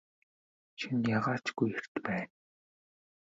Шөнө яагаа ч үгүй эрт байна.